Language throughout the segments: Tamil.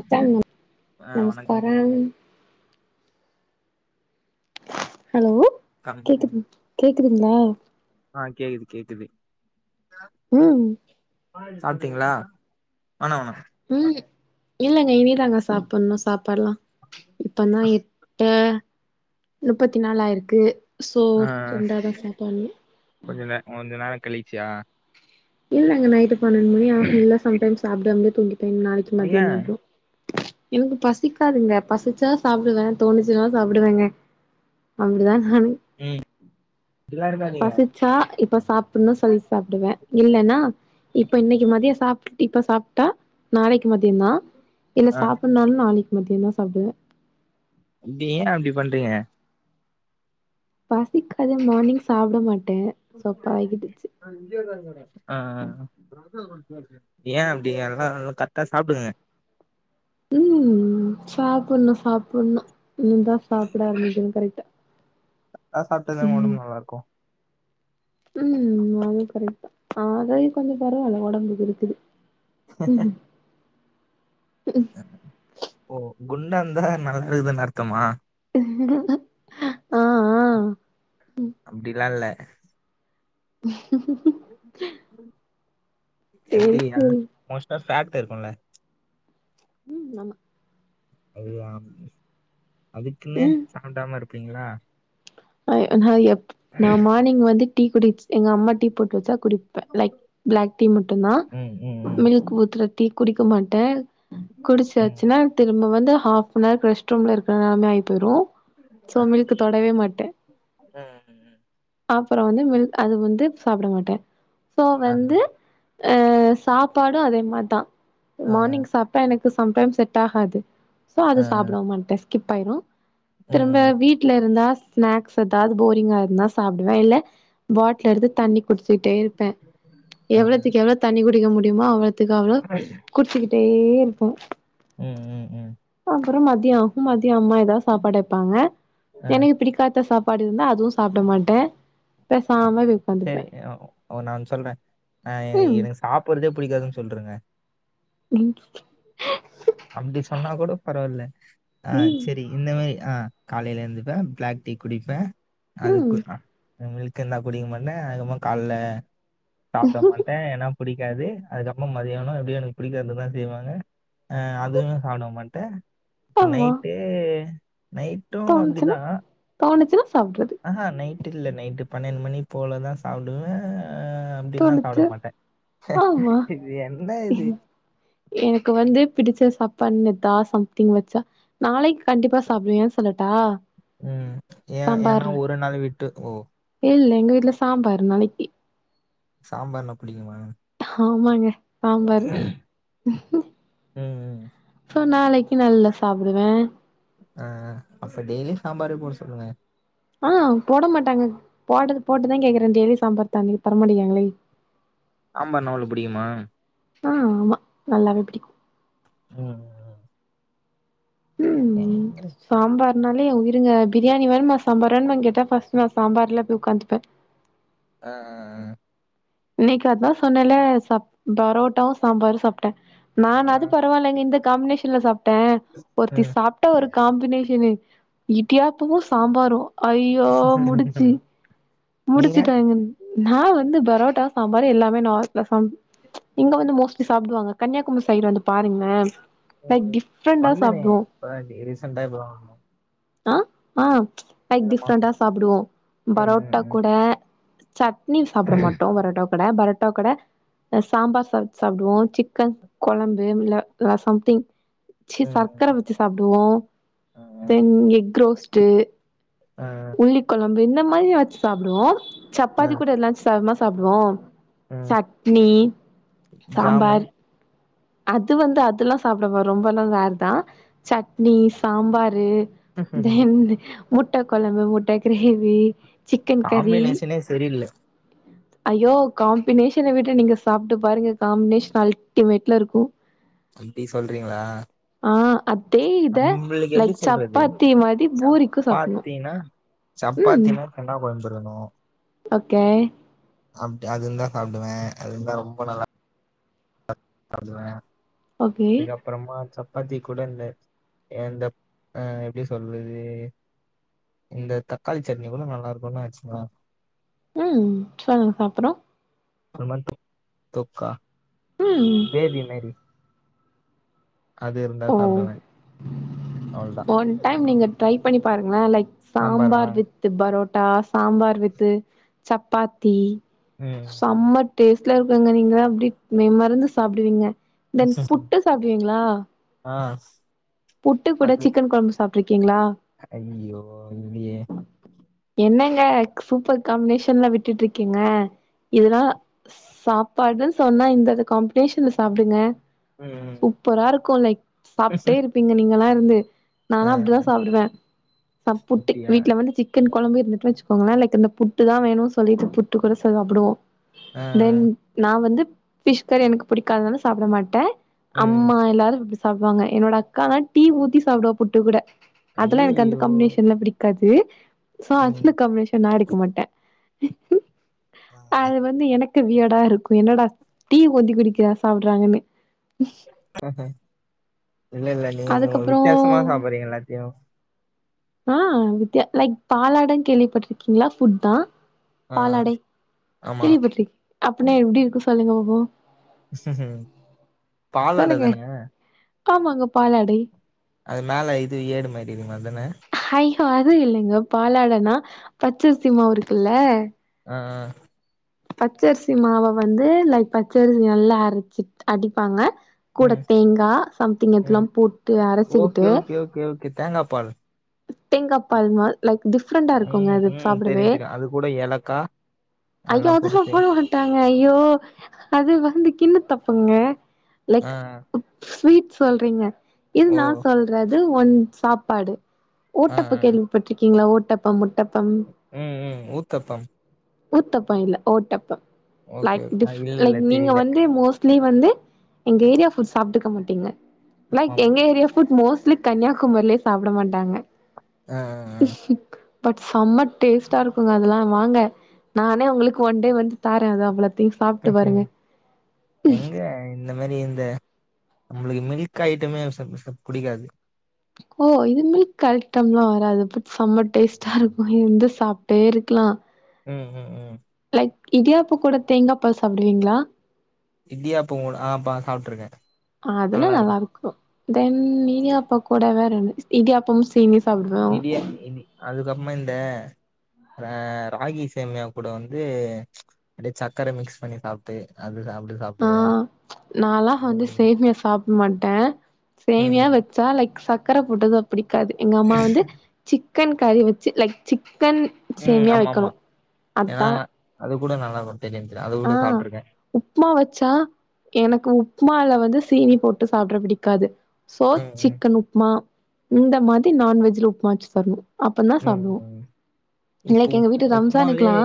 அத்தன்யா ஆ நமஸ்காரம் ஹலோ வணக்கம் கேக்குதுங் கேக்குதுங்ளா ஆ கேக்குது கேக்குது ம் சாப்ட்டீங்களா வேணா வேணா ம் இல்லங்க இனிதாங்க சாப்புணு சாப்பாலா இப்பதா இட் ஆ முப்பத்தி நால ஆயிருக்கு சோ ரெண்ட தா சாப்பனு கொஞ்சோ ந கொஞ்ச நேரோ கழிச்சியா இல்லங்க நைட்டு பன்னெண்ட் மணியாகு இல்ல சம்டைம்ஸ் சாப்டாமயே தூங்கிபோ நாளக்கி ஐய மதியதா அப்றோ எனக்கு பசிக்காதுங்க பசிச்சா சாப்டுவ தோணிச்சினா சாப்டுவேங்க அப்டிதா நானு ம் [unintelligible] ச்சா இப்ப சாப்புனு சொல் சாப்டுவ இல்லன்னா இப்ப இன்னக்கி மதிய சாப் இப்ப சாப்ட்டா நாளக்கி மதிய தா இல்ல ஆ சாப்புனாலு நாளக்கி மதியோ தா சாப்டுவ இப்டி ஏ அப்டி பண்றீங்க பசிக்காது மார்னிங் சாப்ட மாட்ட ஆ யேன் அப்டி அதெல்லா கரெக்டா சாப்டுங்க ம் சாப்புணு சாப்புணு இனிதா சாப்ட ஆரம்பிக்கணு கரெக்டா நா சாப்ட்டாதாங்க ம் ஒடம்பு நல்லாருக்கும் ம் அதுவும் கரெக்ட்டு ஆகையு கொஞ்சோ பரவால்ல ஒடம்புக்கு இருக்குதும் ஓ குண்டா இருந்தா நடக்க முடியாதுனு அர்த்தமா ஆ ஆ அப்டிலா இல்ல சேரி எப்டினாலு சேரி மோஸ்டா ஃபேட் இருக்கும்ல ம் ஆமா அதுதா அதுக்குன்னு சாப்டாம இருப்பீங்ளா ஆ நா எப் நா மார்னிங் வந்து டீ குடிப்ஸ் எங்க அம்மா டீ போட்டு வச்சா குடிப் லைக் பிளாக் டீ மட்டும்தா ம் ம் ம் மில்க் பூத்துல டீ குடிக்க மாட்ட ம் குடிச்சாச்சுன்னா திரும்ப வந்து ஹாப்னார் ரெஸ்ட் ரூம்ல இருக்கனா நைட்டுரும் சோ ஆ மில்க தொடவே மாட்ட ம் ம். அப்புறம் வந்து மில்க் அது வந்து சாப்பட மாட்ட சோ ஆ வந்து அ சாப்பாடும் அதே மார்தா ஆ மார்னிங் சாப் டா எனுக்கு சம்டைம்ஸ் செட் ஆகாது சோ ஆ அது சாப்ட மாட்ட ஸ்கிப் ஆயிரும் ஆ திரும்ப ம் வீட்லருந்தா ஸ்நாக்ஸ் ஏதாது போரிங்கா இருந்தா சாப்டுவ இல்ல பாட்ல எடுத்து தண்ணி குடுச்சிட்டே இருப்ப ஆ எவ்ளோத்துக்கு எவ்ளோ தண்ணி குடிக்க முடியுமோ அவ்ளோத்துக்கு அவ்ளோ குச்சிக்கிட்டே இருப்ப ம் ம் ம் அப்புறம் மத்தியாகும் மத்யம் அம்மா ஏதா சாப்பாடு வப்பாங்க ஆ எனுக்கு பிடிக் பாத்த சாப்பாடு இருந்தா அதுவும் சாப்ட மாட்ட ஆ சரி நா ஒன்னு சொல்ற அ ம் எனுக் சாப்புற்தே புடிகாதுன் சொல்றுங்க ம் அப்டி சொன்னா கூட பரவால்ல ஆ செரி ம் இந்த மாரி ஆ காலைல ஏந்துப்பே பிளாக் டீ குடிப்பே அதுக்கு ம் இக்கன்னா குடி மன்னே அதுமார் கால்ல சாப்ட மால் டே ஏனா புடிகாது அதுக்கப்புறம் மத்தியானம் எப்டி எனுக் புடிக்காதுதா செய்வாங்க அ அதுவும் நா சாப்ட மாட்டே இப்ப ஆமா நைட்டு நைட்டும் தோணுச்சுன்னா அப்டிதா தோணுச்சுன்னா சாப்டுற்ருது அஹ நைட்டு இல்ல நைட்டு பன்னென்டு மணி போலதா சாப்டுவே டின்னா தோணுச்சு சாப்டவுமாட்டே ஆமா இது என்ன இது எனக்கு வந்து பிடிச்ச சாப்பாட்னு தா சம்திங் வெச்சா நாளைக் கண்டிப்பா சாப்டுவேன் ஏன் சொல்லட்டா ம் ஏ ஏன்னா சாம்பார் ஒரு நாள் வுட்டு ஓ இல்ல எங்க வீட்ல சாம்பாரு நாளிக்கி சாம்பார்ன்ன பிடிக்குமா ஆமாங்க சாம்பாரு ம் ம் சோ நாளைக்கி நல்லா சாப்டுவே ஆ அப்ப டெய்லி சாம்பார் போடா சொல்லுங்க ஆ போட மாட்டாங்க போடுறது போட்டுதா கேக்குறே டெய்லி சாம்பார் தாங்கே தரமாட்டேன்ங்றங்க டைலி சாம்பார்னா அவ்ளவு புடிக்குமா ம் ஆமா நல்லாவே புடிக்கும் ம் ம் ஏன்துரு சாம்பார்னாலே என் உயிருங்க பிரியாணி வேணுமா சாம்பார் வேண்மா கேட்டா ஃபஸ்ட் நா சாம்பார்ல போய் உக்காந்துப்பே ஆ ஆ இன்னைக்கு அதான் சொன்னேல சப் பரோட்டாவும் சாம்பாரும் சாப்டே ஆ நானாது பரவால்லைங்க இந்த காம்பினேஷன்ல சாப்ட்டே ஒருத்தி ம் சாப்ட்டா ஒரு காம்பினேஷனு இடியாப்பமும் சாம்பாரும் ஐயோ முடிச்சு நீங்க முடிச்சுட்டாங்க நா வந்து பெரோட்டா சாம்பாரு எல்லாமே நார்மலா இங்க வந்து மோஸ்ட்லி சாப்டுவாங்க கன்னியாகுமரி சைடு வந்து பாருங்க ம் ம் வந்தனே சாப்டுவோ இப்ப தா ரீசென்ட்டா இப்ப தா வந்தே ஆ ஆ லைக் மாசம் டிஃப்ரெண்டா தான். சாப்டுவோம் ம் பரோ பரொட்டா ம் கூட சட்னி சாப்ட மாட்டோம் பரோட்டா கூட பரோட்டா கூட இந்த சாம்பார் சாத்து சாப்டுவோம் சிக்கன் கொழம்பு இல்ல சம்திங் சி ம் சர்க்கர ம் வெச்சு சாப்டுவோம் ம் தென் எக் ரோஸ்ட்டு ஆ உள்ளி கொழம்பு இந்த மாரி வெச்சு சாப்டுவோம் ஆ சப்பாத்தி கூட என்னா சம்மா சாப்டுவோம் ஆ சட்னி ஜாமு சாம்பார் அது வந்து அதெல்லாம் சாப்டவா ரொம்பல்லாம் ரேர்தா சட்னி சாம்பாரு தென் முட்ட கொழம்பு முட்ட கிரேவி சிக்கன் கரி காம்பினேஷனே சரியில்ல ஐயோ காம்பினேஷன விட்ட நீங்க சாப்ட்டு பாருங்க காம்பினேஷன் அல்டிமேட் ல்ல இருக்கும் அப்டி சொல்றீங்களா ஆ அதே இத நம்ளுக்கு எப்டி லைக் சொல்றது சப்பாத்தி மாரி பூரிக்கு சாப்புட்ணு சப்பாத்தினா ம் சப்பாத்தினா சென்னா கொழம்புருக்ன்னோ ஓகே அப்டி அது இருந்தா சாப்டுவே அது இருந்தா ரொம்ப நல்லா சாப்டுவே ஓகே அப்றமா சப்பாத்தி கூட இந்த இந்த ஆ எப்டி சொல்றது இந்த தக்காள் சட்னி கூட நல்லா இருக்குனு வெச்க்ங்ளே ம் சொல் அப்றோ அது ஒரு மாரி தொக் தொக்கா ம் கிரேவி மாரி அது இருந்தா ஓ சாப்டுவே அவ்ளோதா ஒன் டைம் நீங்க ட்ரை பண்ணி பாருங்ளே லைக் சாம்பாரா சாம்பார் வித் பரோட்டா சாம்பார் வித்து சப்பாத்தி ம் சம்ம டேஸ்ட்ல இருக்குங்க நீங்ளா அப்டி மெய் மறந்து சாப்டுவீங்க தென் புட்டு சாப்டுவீங்ளா ஆ புட்டு கூட சிக்கன் கொழம்பு சாப்ட்ருக்கீங்ளா அய்யுய்யோ இல்லீயே என்னங்க சூப்பர் காம்னேஷன்லா விட்டுட்டுட்ருக்கீங்க இதுல்லா சாப்பாடு சொன்னா இந்த காம்ப்னேஷன்ல சாப்டுங்க ம் ம் சூப்பரா இருக்கும் லைக் சாப்ட்டே இருப்பீங்க நீங்கல்லா இர்ந்து ஆ நால்லா அப்டிதா சாப்டுவ சப்புட்டு அப்டியா வந்து சிக்கன் கொழம்பு இருந்துச்சு வச்சுக்கோங்ளே லைக் இந்த புட்டு தா வேணு சொல்லிட்டு புட்டு கூட சாப்டுவோ ஆ தென் நா வந்து ஃபிஷ் கறி எனக்கு புடிக்காதுனால சாப்ட மாட்ட ம் அம்மா எல்லாரு இப்டி சாப்டுவாங்க என்னோட அக்கால்லா டீ ஊத்தி சாப்டுவா புட்டு கூட அதுல எனக் அந்த ஐய்யய்யோ காம்னேஷன்ல்லா பிடிக் கது சோ ம் அக்சுவ்லி கம்னேஷன் நா எடுக்க மாட்ட ஆ அது வந்து எனக் கு வியடா இருக்கும் என்னடா டீ கொந்தி குடிக்கிறா சாப்றாங்கன்னு அ அ இல்ல இல்ல நீங் அதுக்கப்றோ வித்யாசமா சாப்பிறீங்க எல்லாத்தியு ஆ வித்ல லைக் பாலாடை கேள்விப்பட்ருக்கீங்ளா ஃபுட் தா ஆ பாலாடை ஆமா கேள்விப்பட்ரிக் அப்பன்னா எப்டி இருக்கு சொல்லுங்க பாப்போ [unintelligible] பாலாட பாலுங்க தான ஆமாங்க பாலாடை அது மேல இது ஏடு மாரி இர்க்குமே அதானே அய் ஹோ அது இல்லங்க பாலாடனா பச்சரிசி மாவ் இருக்குல்ல அ அ பச்சரிசி மாவ வந்து லைக் பச்சரிசி நல்லா அரச்சிட் அடிப்பாங்க கூட ம் தேங்கா சம்திங் ம் இதுலாம் போட்டு ஓகே அரச்சுக்கிட்டு ஓகே ஓகே ஓகே தேங்காப்பால் தேங்கப்பால் மார் லைக் டிஃப்ரெண்டா இருக்குங்க ம் அது ம் சாப்டவே தெரியு தெரியு அது கூட ஏலக்கா அதெல்லா ஐய்ய அது போட்டு செய் சாப்புடுவாங் விட்டாங்க ஐயோ அது வந்து கின்ன தப்புங்க ஆ லைக் ஸ்வீட் சொல்றீங்க இது ஓ நா சொல்றது ஒன் சாப்பாடு ஆ ஓட்டப்ப ஆ கேள்விப்பட்ருக்கீங்ளா ஓட்டப்பம் முட்டப்பம் ம் ம் ஊத்தப்பம் ஊத்தப்ப இல்ல ஓட்டப்ப ஓகே லைக் ஆ டிஃப் இல்ல இல்ல லைக் நீங்க தெரில வந்து மோஸ்ட் நீங்க வந்து எங்க ஏரியா ஃபுட் சாப்ட்டுக்க மாட்டீங்க ஆமா லைக் ஆமா எங்க ஏரியா ஃபுட் மோஸ்ட்லி கன்னியாகுமரிலே சாப்ட மாட்டாங்க ஆ ஆ ஆ பட் செம்ம டேஸ்ட்டா இருக்குங்க அதெல்லா வாங்க நானே உங்களுக்கு ஒன் டே வந்து தாரே அது அவ்ளத்தையு ம் ம் எங்க இந்த மாரி இந்த நம்மளுக்கு மில்க் ஐட்டமே சாப்ட சாப் புடிக்காது ஓ இது மில்க் ஐட்டம்லா வராது பட் செம்ம டேஸ்ட்டா இருக் கு இருந்து சாப்ட்டே இருக்கலா ம் ம் ம் லைக் இடியாப்பக் கூட தேங்காப்பால் சாப்டுவீங்ளா இடியாப்பவோட ஆ பா சாப்ட்ருக்கே அதெல்லா நல்லா இருக்கு நல்லாருக்கு தென் இடியாப்ப கூட வேறென்ன இடியாப்பமு சீனியு சாப்டுவே இடியா இடி அதுக்கப்றமா இந்த ஆ ராகி சேமியா கூட வந்து அப்டியே சக்கர மிக்ஸ் பண்ணி சாப் ட்டு அது சாப்ட்டு ஆ சாப்ட்டுக்கிறே நாலா அது வந்து சேமியா சாப்ட மாட்டே சேமியா ம் வச்சா லைக் சக்கர போட்டதா புடிக்காது எங்க அம்மா வந்து சிக்கன் கறி வெச்சு லைக் சிக்கன் ம் சேமிய ஆமா வெக்கணு ஆமா ஏன்னா அதா அது கூட நல்லா கொஞ்ச தெரியு நெனைக்கிறே அது ஆ கூட சாப்ட்ருக்கே உப்மா வச்சா எனக்கு உப்மால வந்து சீனி போட்டு சாப்ட புடிக்காது சோ ம் ம் சிக்கன் உப்மா இந்த மாதிரி நான்வெஜ்ல உப்மா வெச்சு தரணு அப்ப தா ம் சாப்டுவோ ம் இப்போ லைக் எங்க உப் வீட்டு ரம்ஜானுக்குலா உப்மாலயே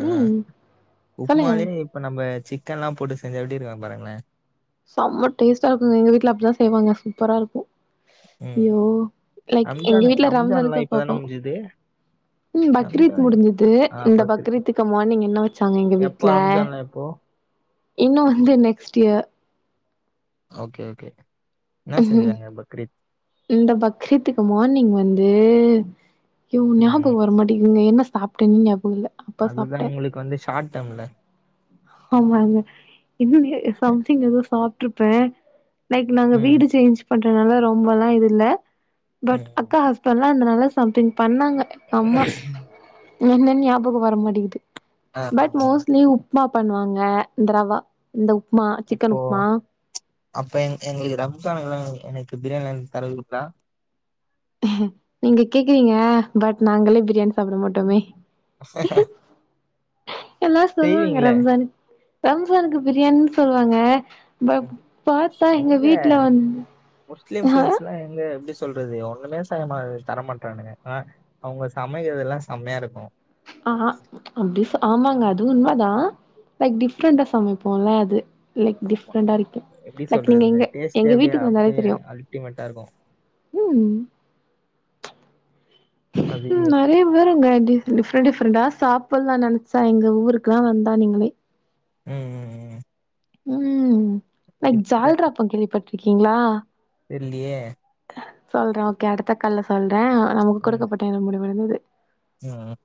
ம் சொல்லுங்க உப்மாலே இப்ப நம்ம சிக்கன்லா போட்டு செஞ்ச எப்டி இருக்ககுன் பாருங்களே செம்ம டேஸ்டா இருக்குங்க எங்க வீட்ல அப்டிதா செய்வாங்க சூப்பரா இருக்கு ம் யோ லைக் எங்க ரம்ஜான் வீட்ல ரம்ஜான்லா ரம்சானுக்கு அப்ப இப்பதான வப்பாங்க முடிஞ்சுது ம் பக்ரீத் ரம்ஜான் முடிஞ்சது ஆ இந்த பக்ரீத் பக்ரீத்துக்கு மார்னிங் என்ன வச்சாங்க எங்க எப்போ வீட்ல ரம்ஜான்ல எப்போ இன்னு வந்து நெக்ஸ்ட் இயர் ஓகே ஓகே என்ன செஞ்சாங்க பக்ரீத் இந்த பக்ரீத்துக்கு மார்னிங் வந்து யோ ஞாபக ம் வரமாட்டிக்குதுங்க என்ன சாப்ட்டேனே ஞாபக இல்ல அப்பா அதுதா சாப்ட்டே உங்களுக்கு வந்து ஷார்ட் டேம்ல ஆமாங்க இன்னொன்னு சம்திங் எதோ சாப்ட்ருப்பே லைக் நாங்க ம் வீடு சேஞ்ச் பண்றதுனால ரொம்பலா இது இல்ல பட் ம் அக்கா ஹஸ் இப்பெல்லா அந்த மார்லா சம்திங் பண்ணாங்க அம்மா என்னன்னு ஞாபக வர மாட்டிக்குது ஆ பட் ஆமா மோஸ்ட்லி உப் பண்ணுவாங்க இந்த ரவா இந்த உப்மா சிக்கன் இப்போ உப்மா அப்ப எங் எங்களுக்கு ரம்ஜானுக்குலா எனக்கு பிரியாணி வாங்கி தருவீங்களா நீங்க கேக்குறீங்க பட் நாங்களே பிரியாணி சாப்ட மாட்டோமே எல்லா சொல்லுவாங்க செய்வீங்களே ரம்ஜானுக் ரம்ஜானுக்கு பிரியாணின்னு சொல்லுவாங்க பப் ம். பாத்தா எங்க வீட்ல வந் அ இங்க எப்படி சொல்றது ஒண்ணுமே செய்ய தர மாட்டன்றானுங்க அ அவங்க சமைக்கிறது எல்லாம் செம்மையா இருக்கும் அ ஆ அப்டி ஆமாங்க அது உண்மதான் லைக் டிஃப்ரெண்டா சமைப்போம்ல்ல அது லைக் ஆமா டிஃப்ரெண்டா இருக்கும் எப்டி லைக் நீங்க சொல்றது எங்க எங்க டேஸ்ட்டே அப்டியே வீட்டுக்கு வந்தாலே அப்டியே தெரியும் அல்டிமேட்டா இருக்கு ம் அய்யய்யோ நேம் வேறங்க டிஃப் டிஃப்ரெண்ட் டிஃப்ரெண்ட்டா சாப்புட்ல்லாம் நெனச்சா எங்க ஊருக்குல்லாம் வந்தா நீங்களே ம் ம் ம் லைக் டிஃப்ர ஜால்ரா பக்கிரி பட்டீருக்கீங்களா தெர்லியே சொல்றேன் ஓகே அடுத்த கால்ல சொல்றேன் நமக்கு குடுக்கப்பட்ட நேரம் முடிவடைந்தது ம்